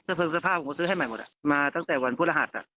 เพลิงเสื้อผ้าผมก็ซื้อให้ใหม่หมดมาตั้งแต่วันพฤหัส